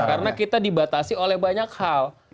karena kita dibatasi oleh banyak hal